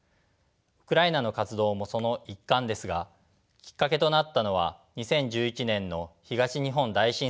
ウクライナの活動もその一環ですがきっかけとなったのは２０１１年の東日本大震災でした。